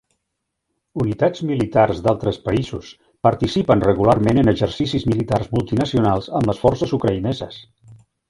Unitats militars d'altres països participen regularment en exercicis militars multinacionals amb les forces ucraïneses.